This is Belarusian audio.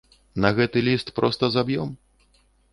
На гэты лісты проста заб'ём?